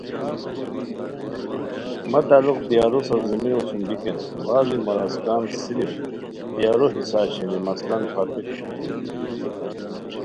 مہ تعلق بیارو سرزمینو سُم بیکین بعض مراسکن صرف بیارو حصا شینی مثلاً پھاتک